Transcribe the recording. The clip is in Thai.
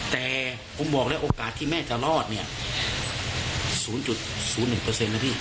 แต่ผมบอกแล้วโอกาสที่แม่จะรอดเนี่ย๐๐๑นะพี่